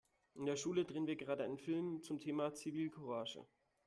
In der Schule drehen wir gerade einen Film zum Thema Zivilcourage.